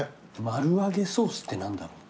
マル揚げソースって何だろう？